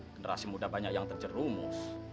generasi muda banyak yang terjerumus